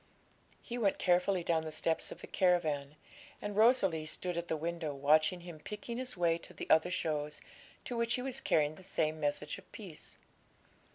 He went carefully down the steps of the caravan, and Rosalie stood at the window, watching him picking his way to the other shows, to which he was carrying the same message of peace.